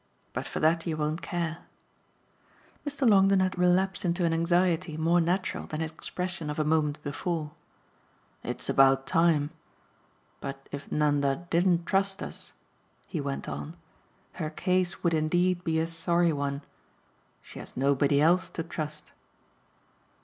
But for that you won't care." Mr. Longdon had relapsed into an anxiety more natural than his expression of a moment before. "It's about time! But if Nanda didn't trust us," he went on, "her case would indeed be a sorry one. She has nobody else to trust."